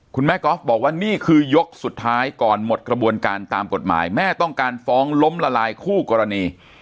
คุณแม่ก๊อฟบอกว่านี่คือยกสุดท้ายก่อนหมดกระบวนการตามกฎหมายแม่ต้องการฟ้องล้มละลายคู่กรณี